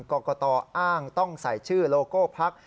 กรกตอ้างต้องใส่ชื่อโลโก้พัก